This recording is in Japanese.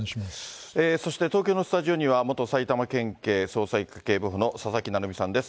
そして東京のスタジオには元埼玉県警捜査１課警部補の佐々木成三さんです。